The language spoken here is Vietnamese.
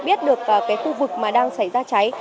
biết được cái khu vực mà đang xảy ra cháy